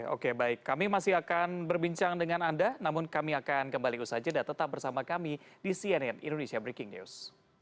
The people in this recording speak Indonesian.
oke baik kami masih akan berbincang dengan anda namun kami akan kembali usaha jeda tetap bersama kami di cnn indonesia breaking news